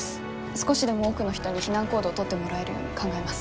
少しでも多くの人に避難行動を取ってもらえるように考えます。